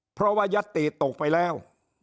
เพราะว่ายัตติตกไปแล้ว